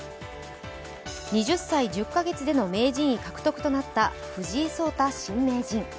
２０歳１０か月での名人位獲得となった藤井聡太新名人。